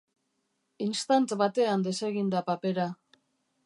Istant batean desegin da papera.